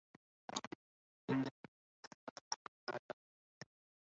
إن المنية لا تبقي على أحد